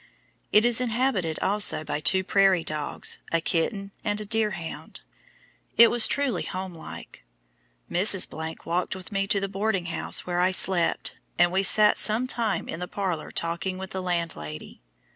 It is inhabited also by two prairie dogs, a kitten, and a deerhound. It was truly homelike. Mrs. walked with me to the boarding house where I slept, and we sat some time in the parlor talking with the landlady.